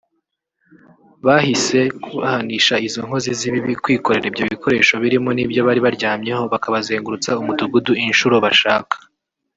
bahise bahanisha izi nkozi z’ibibi kwikorera ibyo bikoresho birimo n’ibyo bari baryamyeho bakabazengurutsa umudugudu inshuro bashaka